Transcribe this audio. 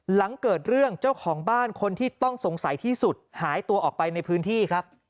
หลังเกิดเรื่องเจ้าของบ้านคนที่ต้องสงสัยที่สุดหายตัวออกไปในพื้นที่ครับ